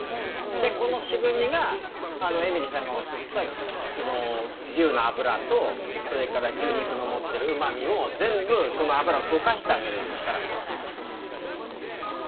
でこの渋みがえみりさんがおっしゃった牛の脂とそれから牛肉の持ってるうまみを全部その脂を溶かしてあげれる力がある。